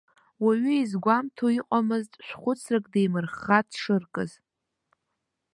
Уаҩы изгәамҭо иҟамызт шә-хәыцрак деимырхха дшыркыз.